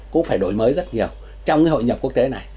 cũng phải đổi mới rất nhiều trong cái hội nhập quốc tế này